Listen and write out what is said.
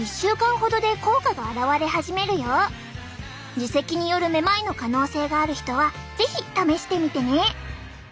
耳石によるめまいの可能性がある人は是非試してみてね！